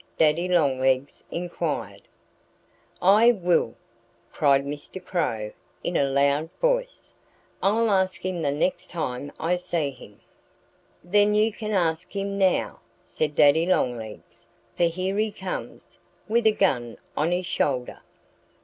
Daddy Longlegs inquired. "I will!" cried Mr. Crow in a loud voice. "I'll ask him the next time I see him." "Then you can ask him now," said Daddy Longlegs, "for here he comes, with a gun on his shoulder."